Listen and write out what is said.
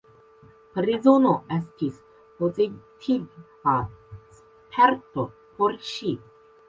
Prizono estis pozitiva sperto por ŝi.